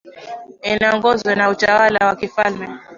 inayoongozwa na utawala wa kifalme